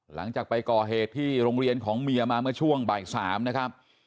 หลังจากไปก่อเหตุที่โรงเรียนของเมียมาเมื่อช่วงบ่าย๓นะครับ